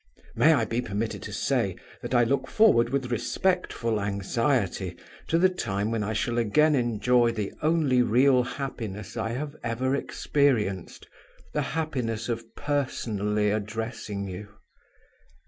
May I be permitted to say that I look forward with respectful anxiety to the time when I shall again enjoy the only real happiness I have ever experienced the happiness of personally addressing you?